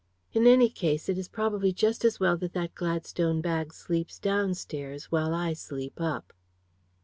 In any case it is probably just as well that that Gladstone bag sleeps downstairs, while I sleep up."